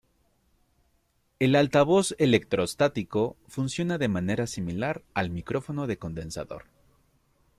El altavoz electrostático funciona de manera similar al micrófono de condensador.